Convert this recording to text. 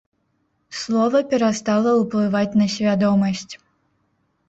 Слова перастала ўплываць на свядомасць.